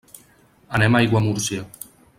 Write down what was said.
Anem a Aiguamúrcia.